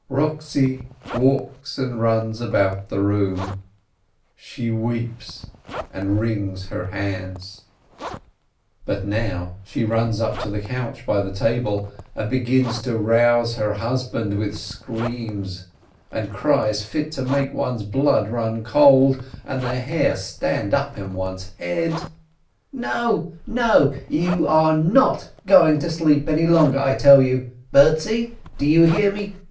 Eochtzi walks and runs about the loom, she weeps and wrings her hands. BEETZI WASSERFUHRER 217 But now she runs up to the couch by the table, and begins to rouse her husband with screams and cries fit to make one's blood run cold and the hair stand up on one's head: "No, no, you're not going to sleep any longer, I tell you! Bertzi, do you hear me?